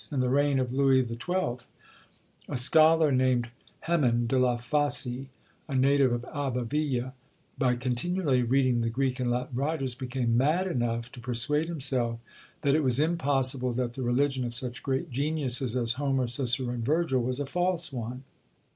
In the reign of Louis XII., a scholar named Hemon de la Fosse, a native of Abbeville, by continually reading the Greek and Latin writers, became mad enough to persuade himself that it was impossible that the religion of such great geniuses as Homer, Cicero, and Virgil was a false one.